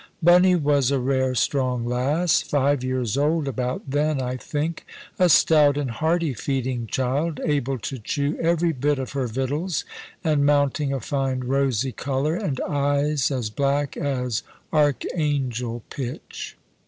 Bunny was a rare strong lass, five years old about then, I think; a stout and hearty feeding child, able to chew every bit of her victuals, and mounting a fine rosy colour, and eyes as black as Archangel pitch.